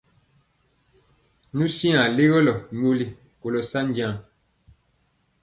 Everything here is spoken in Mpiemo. Nu swi legɔlɔ nyoli kolɔ sa jaŋ.